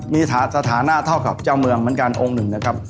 มีสถานะเท่ากับเจ้าเมืองเหมือนกันองค์หนึ่งนะครับ